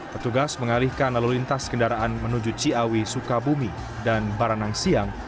petugas mengalihkan lalu lintas kendaraan menuju ciawi sukabumi dan baranang siang